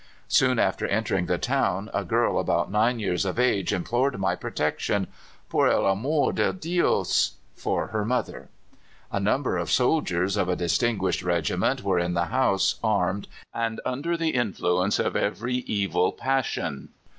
"Soon after entering the town a girl about nine years of age implored my protection, 'por el amor de Dios,' for her mother. "A number of soldiers of a distinguished regiment were in the house, armed, and under the influence of every evil passion.